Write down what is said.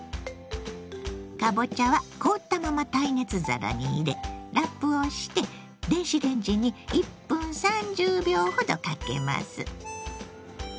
かぼちゃは凍ったまま耐熱皿に入れラップをして電子レンジに１分３０秒ほどかけます。